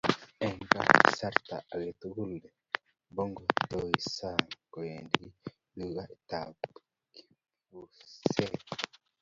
eng kasarta age tugul nemongtoi sang, kowendi duketab kitabusiek